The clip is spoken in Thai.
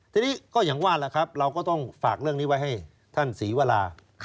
ทีนี้ก็อย่างว่าล่ะครับเราก็ต้องฝากเรื่องนี้ไว้ให้ท่านศรีวรา